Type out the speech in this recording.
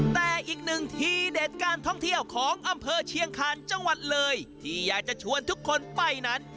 แต่อีกหนึ่งทีเด็ดการท่องเที่ยวของอำเภอเชียงคาญจังหวัดเลยที่อยากจะชวนทุกคนไปนั้น